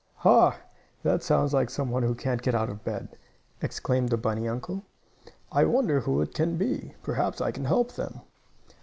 "Ha! that sounds like some one who can't get out of bed," exclaimed the bunny uncle. "I wonder who it can be? Perhaps I can help them."